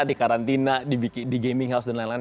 di karantina di gaming house dan lain lain